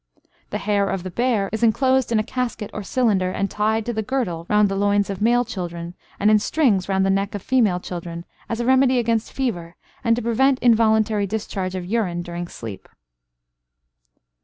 The hair of the bear is enclosed in a casket or cylinder, and tied to the girdle round the loins of male children, and in strings round the neck of female children, as a remedy against fever, and to prevent involuntary discharge of urine during sleep.